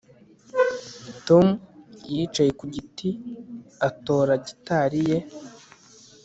Tom yicaye ku giti atora gitari ye